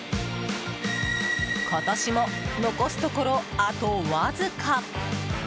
今年も残すところあとわずか。